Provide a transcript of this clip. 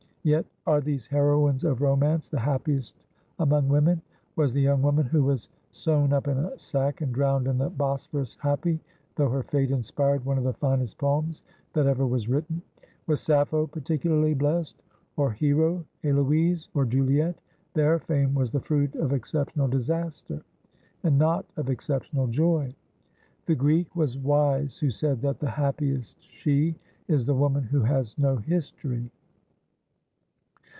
Yet, are these heroines of romance the happiest among women ? Was the young woman who was sewn up in a sack and drowned in the Bosphorus happy, though her fate inspired one of the finest poems that ever was written ? Was Sappho particularly blest, or Hero, Heloise, or Juliet ? Their fame was the fruit of exceptional disaster, and not of exceptional joy. The G reek was wise who said that the happiest she is the woman who has no history.